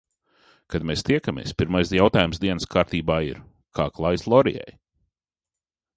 Kad mēs tiekamies, pirmais jautājums dienas kārtībā ir: kā klājas Lorijai?